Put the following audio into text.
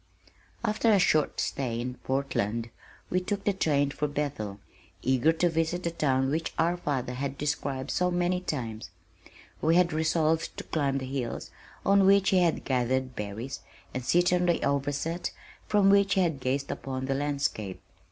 After a short stay in Portland we took the train for Bethel, eager to visit the town which our father had described so many times. We had resolved to climb the hills on which he had gathered berries and sit on the "Overset" from which he had gazed upon the landscape.